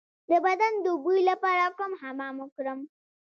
د بدن د بوی لپاره کوم حمام وکړم؟